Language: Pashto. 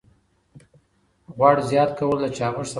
غوړ زیات کول د چاغښت سبب ګرځي.